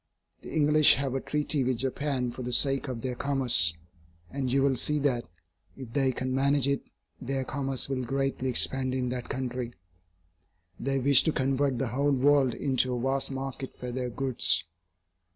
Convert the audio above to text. The English have a treaty with Japan for the sake of their commerce, and you will see that, if they can manage it, their commerce will greatly expand in that country. They wish to convert the whole world into a vast market for their goods.